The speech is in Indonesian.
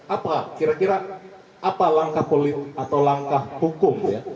apa kira kira apa langkah politik atau langkah hukum